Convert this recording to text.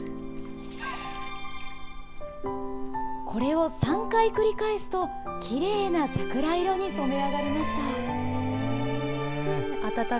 これを３回繰り返すと、きれいな桜色に染め上がりました。